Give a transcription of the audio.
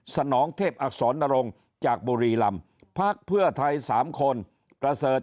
นองเทพอักษรนรงค์จากบุรีรำพักเพื่อไทย๓คนประเสริฐ